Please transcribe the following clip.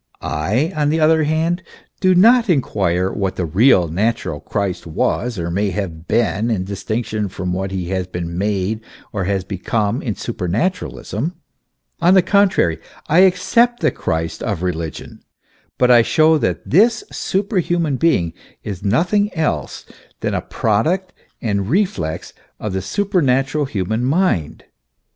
I, on the other hand, do not inquire what the real, natural Christ was or may have been in distinction from what he has been made or has become in Supernaturalism ; on the contrary, I accept the Christ of religion, but I show that this superhuman being is nothing else than a product and reflex of the supernatural human mind.